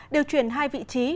điều chuyển hai vị trí